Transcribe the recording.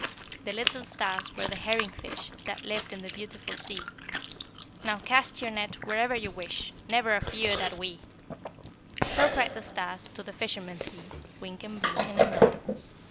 The little stars were the herring fish That lived in the beautiful sea, "Now cast your net wherever you wish, Never afeared are we." So cried the stars to the fishermen three, Wynken, Blynken, And Nod.